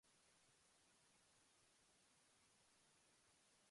Se encuentra en la Guayana Francesa y Brasil.